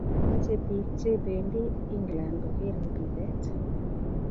Kimache pik che pendi England koker mpiret